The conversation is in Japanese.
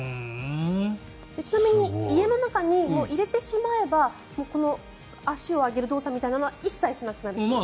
ちなみに家の中に入れてしまえばこの足を上げる動作みたいなのは一切しなくなるそうです。